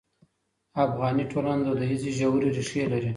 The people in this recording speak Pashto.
افغاني ټولنه دودیزې ژورې ریښې لري.